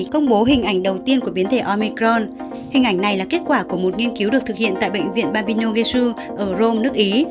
công bố hình ảnh đầu tiên của biến thể omecron hình ảnh này là kết quả của một nghiên cứu được thực hiện tại bệnh viện babino ghezu ở rome nước ý